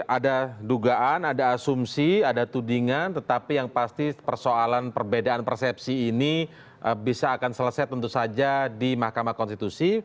ada dugaan ada asumsi ada tudingan tetapi yang pasti persoalan perbedaan persepsi ini bisa akan selesai tentu saja di mahkamah konstitusi